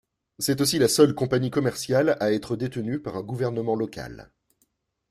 C'est aussi la seule compagnie commerciale à être détenue par un gouvernement local.